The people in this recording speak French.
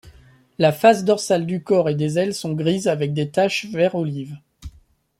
La face dorsale du corps et des ailes sont grises avec des taches vert-olive.